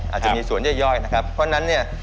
อาจจะมีสวนย่อยนะครับเพราะฉะนั้นเนี่ย